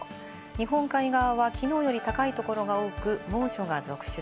日本海側はきのうより高いところが多く、猛暑が続出。